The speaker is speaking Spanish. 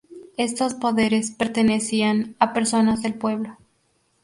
Estos poderes pertenecían a personas del pueblo.